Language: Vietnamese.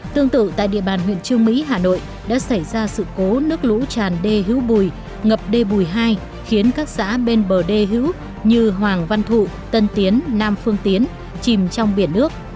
tương tự tại địa bàn huyện trương mỹ hà nội đã xảy ra sự cố nước lũ tràn đê hữu bùi ngập đê bùi hai khiến các xã bên bờ đê hữu như hoàng văn thụ tân tiến nam phương tiến chìm trong biển nước